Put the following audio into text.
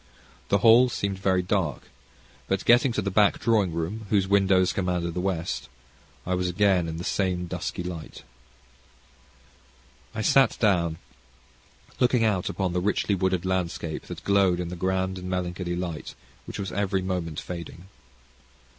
The hall seemed very dark, but, getting to the back drawing room, whose windows command the west, I was again in the same dusky light. I sat down, looking out upon the richly wooded landscape that glowed in the grand and melancholy light which was every moment fading.